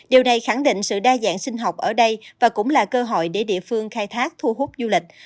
điều này khẳng định sự đa dạng sinh học ở đây và cũng là cơ hội để địa phương khai thác thu hút du lịch